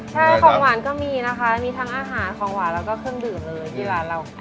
ใช่ของหวานก็มีนะคะมีทั้งอาหารของหวานแล้วก็เครื่องดื่มเลยที่ร้านเรา